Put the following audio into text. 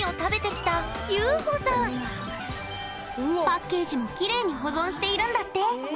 パッケージもきれいに保存しているんだって！